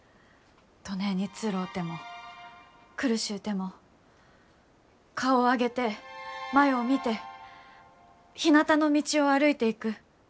どねえにつろうても苦しゅうても顔を上げて前う見てひなたの道を歩いていく。